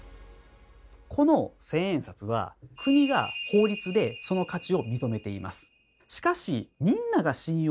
この千円札は国が法律でその価値を認めています。